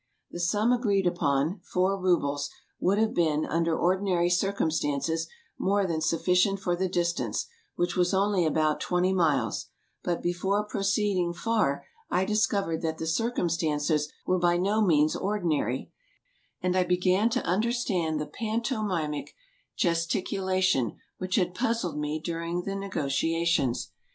The sum agreed upon — four rubles — would have been, under ordinary circumstances, more than sufficient for the distance, which was only about twenty miles; but before proceeding far I discovered that the circumstances were by no means ordinary, and I began to understand the panto mimic gesticulation which had puzzled me during the nego tiations.